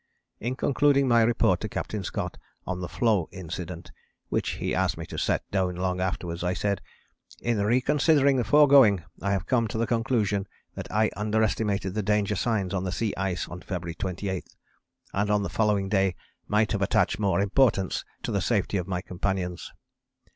In concluding my report to Captain Scott on the 'floe' incident, which he asked me to set down long afterwards, I said, 'In reconsidering the foregoing I have come to the conclusion that I underestimated the danger signs on the sea ice on February 28, and on the following day might have attached more importance to the safety of my companions.